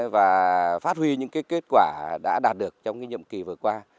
và phát huy những kết quả đã đạt được trong nhiệm kỳ vừa qua